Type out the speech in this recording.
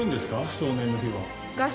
少年の日は。